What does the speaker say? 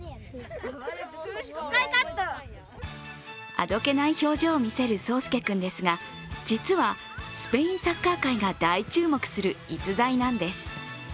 あどけない表情を見せる颯亮君ですが実は、スペインサッカー界が大注目する逸材なんです。